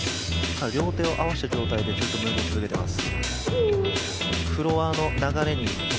両手を合わせた状態でずっとムーブを続けています。